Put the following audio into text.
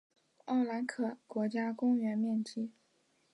奥兰卡国家公园面积。